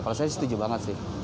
kalau saya setuju banget sih